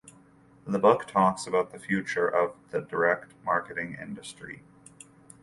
The book talks about the future of the direct marketing industry.